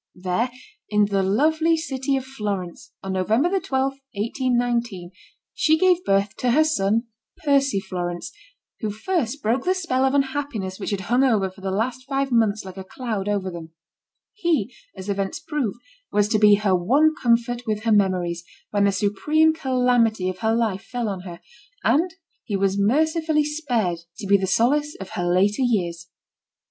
There, in the lovely city of Florence, on November 12, 1819, she gave birth to her son Percy Florence, who first broke the spell of unhappiness which had hung for the last five months like a cloud over them ; he, as events proved, was to be her one comfort with her memories, when the supreme calamity of her life fell on her, and he was mercifully spared to be the solace of her later years.